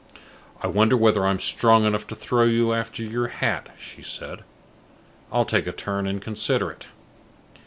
"I wonder whether I'm strong enough to throw you after your hat?" she said. "I'll take a turn and consider it."